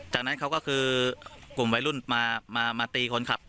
จากนั้นเขาก็คือกลุ่มวัยรุ่นมาตีคนขับ